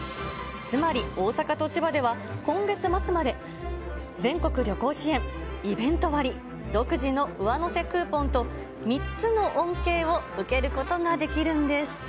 つまり大阪と千葉では、今月末まで、全国旅行支援、イベント割、独自の上乗せクーポンと、３つの恩恵を受けることができるんです。